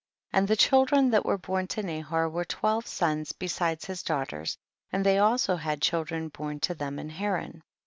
19. And the children that were born to Nahor were twelve sons be sides his daughters, and they also had children born to them in Haran.